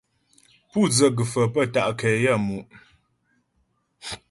Pú dzə gə̀faə̀ pə́ ta' nkɛ yaə́mu'.